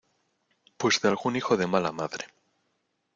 pues de algún hijo de mala madre.